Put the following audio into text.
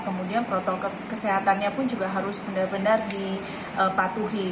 kemudian protokol kesehatannya pun juga harus benar benar dipatuhi